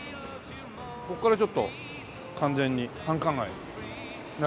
ここからちょっと完全に繁華街になってしまいますね。